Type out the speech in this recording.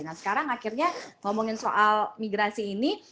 nah sekarang akhirnya ngomongin soal migrasi ini